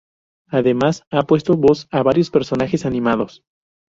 Además, ha puesto voz a varios personajes animados.